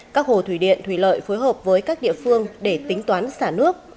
các hồ thủy điện thủy lợi phối hợp với các địa phương để tính toán xả nước